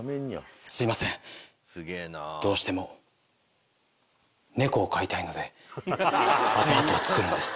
すいませんどうしても猫を飼いたいのでアパートを造るんです。